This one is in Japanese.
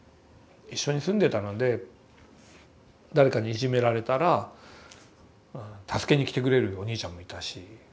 一緒に住んでたので誰かにいじめられたら助けに来てくれるおにいちゃんもいたし。